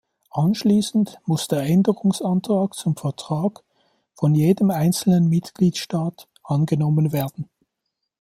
Anschließend muss der Änderungsantrag zum Vertrag von jedem einzelnen Mitgliedstaat angenommen werden.